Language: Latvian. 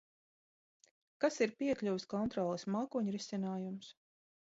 Kas ir piekļuves kontroles mākoņrisinājums?